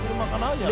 じゃあ。